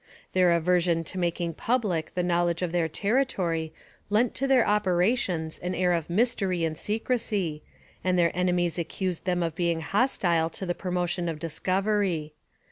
Their aversion to making public the knowledge of their territory lent to their operations an air of mystery and secrecy, and their enemies accused them of being hostile to the promotion of discovery.